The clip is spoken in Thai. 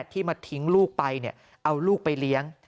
ที่มาทิ้งลูกไปเอาลูกไปเลี้ยง